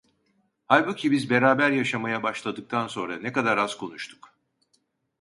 Halbuki biz beraber yaşamaya başladıktan sonra ne kadar az konuştuk…